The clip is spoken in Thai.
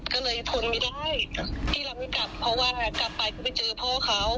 ก็เลยทนไม่ได้ที่เราไม่กลับเพราะว่ากลับไปก็ไปเจอพ่อเขา